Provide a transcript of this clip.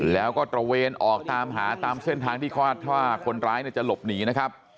แล้วก็ตระเวนออกตามหาตามเส้นทางที่คาดว่าคนร้ายจะหลบหนีนะครับ